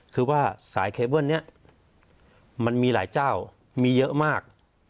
คือว่าสายเคเบิ้ลนี้มันมีหลายเจ้ามีเยอะมาก